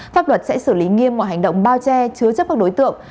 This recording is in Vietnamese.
pháp luật sẽ xử lý nghiêm mọi hành động bao che chứa chấp các đối tượng